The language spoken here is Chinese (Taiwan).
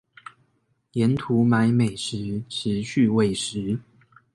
沿途買美食持續餵食